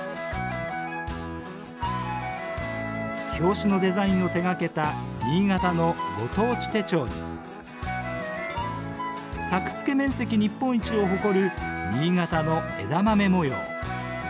表紙のデザインを手がけた新潟のご当地手帳に作付面積日本一を誇る新潟の枝豆模様